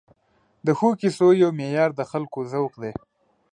د ښو کیسو یو معیار د خلکو ذوق دی.